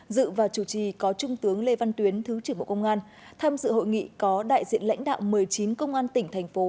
dự và chủ trì có trung tướng lê văn tuyến thứ trưởng bộ công an tham dự hội nghị có đại diện lãnh đạo một mươi chín công an tỉnh thành phố